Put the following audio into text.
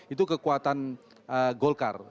itu kekuatan golkar